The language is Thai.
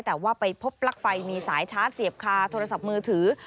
แต่ว่าไปพบปลั๊กไฟมีสายชาร์จเสียบคาโทรศัพท์มือถือ